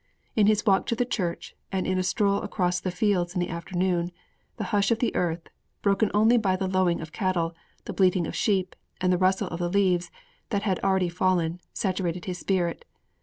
In his walk to the church, and in a stroll across the fields in the afternoon, the hush of the earth, broken only by the lowing of cattle, the bleating of sheep and the rustle of the leaves that had already fallen, saturated his spirit.